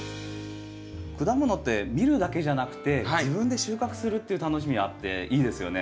果物って見るだけじゃなくて自分で収穫するっていう楽しみあっていいですよね。